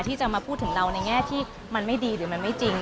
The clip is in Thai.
ที่จะมาพูดถึงเราในแง่ที่มันไม่ดีหรือมันไม่จริง